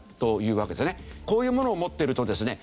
こういうものを持ってるとですね